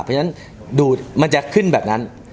เพราะฉะนั้นดูดมันจะขึ้นแบบนั้น